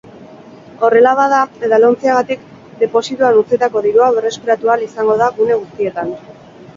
Horrela bada, edalontziagatik deposituan utzitako dirua berreskuratu ahal izango da gune guztietan.